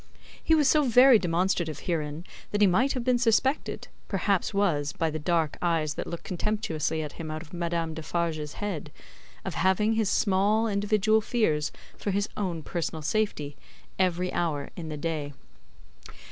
He was so very demonstrative herein, that he might have been suspected (perhaps was, by the dark eyes that looked contemptuously at him out of Madame Defarge's head) of having his small individual fears for his own personal safety, every hour in the day.